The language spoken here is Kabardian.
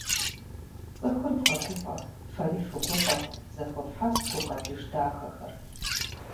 Цӏыхур вгъэгуфӏэ, фэри фыгуфӏэ зэхуэфхьэс гукъэкӏыж дахэхэр.